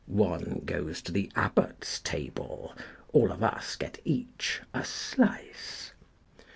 One goes to the Abbot's table, All of us get each a slice.